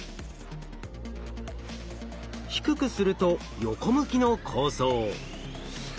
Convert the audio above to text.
低くすると横向きの構造。